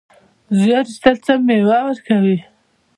زیار ایستل څه مېوه ورکوي؟